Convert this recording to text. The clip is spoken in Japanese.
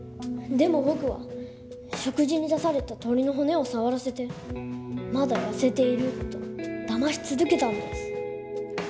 でも僕は食事に出された鶏の骨を触らせてまだ痩せているとだまし続けたんです。